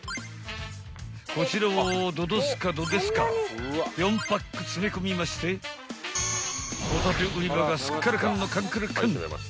［こちらをどどすかどですか４パック詰め込みましてホタテ売り場がすっからかんのかんからかん］